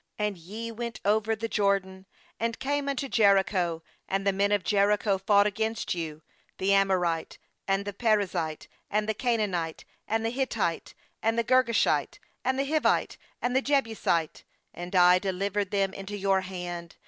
uAnd ye went over the Jordan, and came unto Jericho; and the men of Jericho fought against you, the Amorite, and the Perizzite, and the Canaanite, and the Hittite, and the Girgashite, the Hivite, and the Jebusite; and I delivered them into your hand.